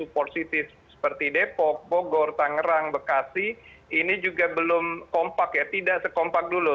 portangerang bekasi ini juga belum kompak ya tidak sekompak dulu